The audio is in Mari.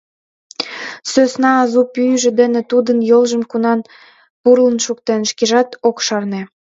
Сӧсна азу пӱйжӧ дене тудын йолжым кунам пурлын шуктен, шкежат ок шарне.